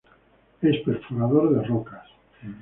Es perforador de rocas.